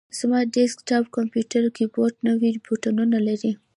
زما د ډیسک ټاپ کمپیوټر کیبورډ نوي بټنونه لري.